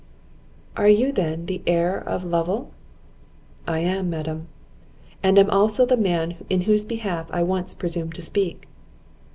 "Are you, then, the heir of Lovel?" "I am, madam; and am also the man in whose behalf I once presumed to speak."